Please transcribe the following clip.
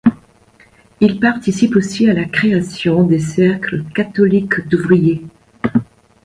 Il participe aussi à la création des Cercles catholiques d'ouvriers.